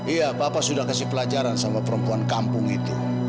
iya bapak sudah kasih pelajaran sama perempuan kampung itu